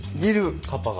カッパが？